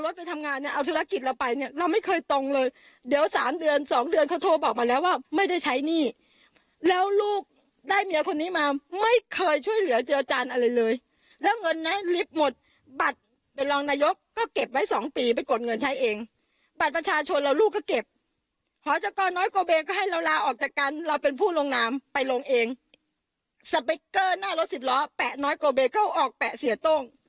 สเปคเกอร์หน้ารถสิบล้อแปะน้อยโกเบเกอร์เขาออกแปะเสียต้ง